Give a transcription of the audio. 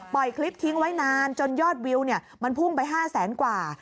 ปล่อยคลิปทิ้งไว้นานจนยอดวิวมันพุ่มไป๕๐๐๐๐๐กว่า